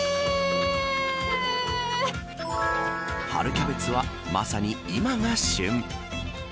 春キャベツはまさに今が旬。